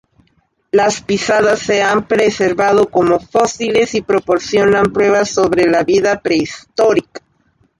Las pisadas se han preservado como fósiles y proporcionan pruebas sobre la vida prehistórica.